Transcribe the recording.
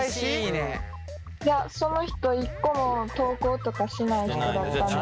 いやその人一個も投稿とかしない人だったので。